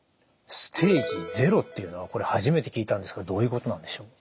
ステージ０っていうのはこれ初めて聞いたんですがどういうことなんでしょう？